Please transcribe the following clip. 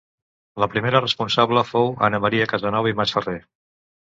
La primera responsable fou Anna Maria Casanova i Masferrer.